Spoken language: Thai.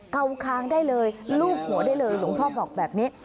เกาคางได้เลยลูบหัวได้เลยหลวงพ่อบอกแบบนี้